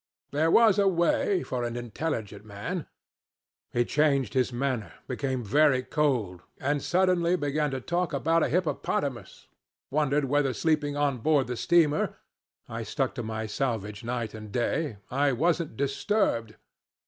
There was a way for an intelligent man. He changed his manner; became very cold, and suddenly began to talk about a hippopotamus; wondered whether sleeping on board the steamer (I stuck to my salvage night and day) I wasn't disturbed.